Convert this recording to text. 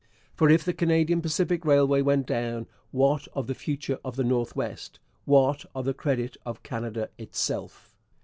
For if the Canadian Pacific Railway went down, what of the future of the North West? what of the credit of Canada itself?